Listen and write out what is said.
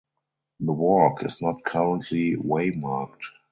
The walk is not currently waymarked.